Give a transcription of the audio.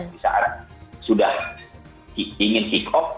bisa ada sudah ingin kick off